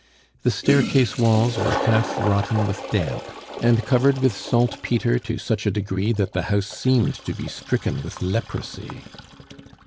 The staircase walls were half rotten with damp and covered with saltpetre to such a degree that the house seemed to be stricken with leprosy.